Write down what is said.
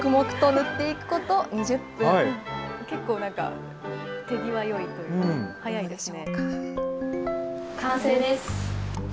結構手際よいというか、完成です。